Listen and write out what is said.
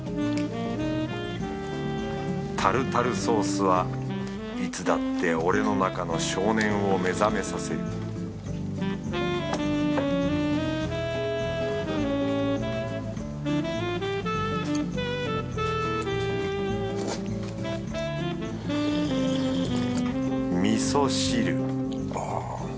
タルタルソースはいつだって俺の中の少年を目覚めさせる味噌汁あぁ。